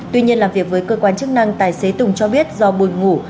tuy nhiên làm việc với cơ quan chức năng tài xế tùng cho biết do bùi ngủ